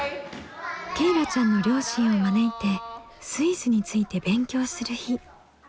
けいらちゃんの両親を招いてスイスについて勉強する日。